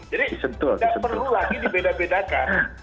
jadi tidak perlu lagi dibeda bedakan